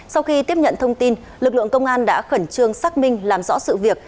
sau khi tiếp nhận thông tin lực lượng công an đã khẩn trương xác minh làm rõ sự việc